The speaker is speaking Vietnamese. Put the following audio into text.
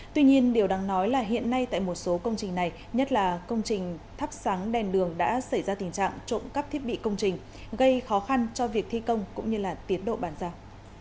tuy nhiên điều đáng nói là hiện nay tại một số công trình này nhất là công trình thắp sáng đèn đường đã xảy ra tình trạng trộm cắp thiết bị công trình gây khó khăn cho việc thi công cũng như tiến độ bàn giao